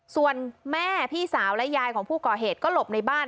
ส่วนแม่พี่สาวและยายของผู้ก่อเหตุก็หลบในบ้าน